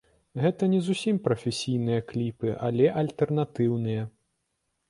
Гэта не зусім прафесійныя кліпы, але альтэрнатыўныя.